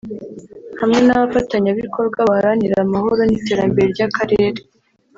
hamwe n’abafatanyabikorwa baharanira amahoro n’iterambere ry’akarere